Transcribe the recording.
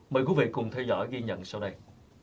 mời quý vị cùng theo dõi ghi nhận sau đây